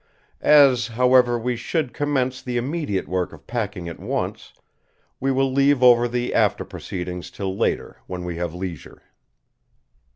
"As, however, we should commence the immediate work of packing at once, we will leave over the after proceedings till later when we have leisure."